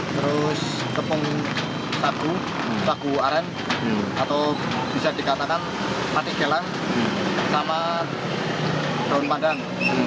terus tepung tagu tagu aren atau bisa dikatakan patik gelang sama daun pandang